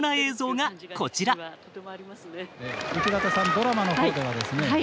ドラマのほうではですね